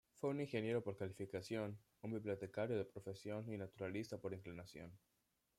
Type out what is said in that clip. Fue un ingeniero por calificación, un bibliotecario de profesión y naturalista por inclinación.